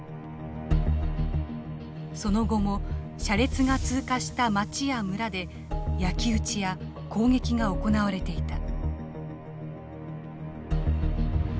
その後も車列が通過した町や村で焼き打ちや攻撃が行われていた。